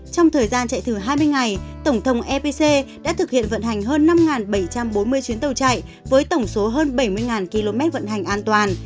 trong thời gian chạy thử hai mươi ngày tổng thống epc đã thực hiện vận hành hơn năm bảy trăm bốn mươi chuyến tàu chạy với tổng số hơn bảy mươi km vận hành an toàn